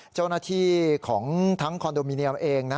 เจ้าหน้าที่ของทั้งคอนโดมิเนียมเอง